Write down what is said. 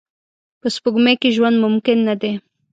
په سپوږمۍ کې ژوند ممکن نه دی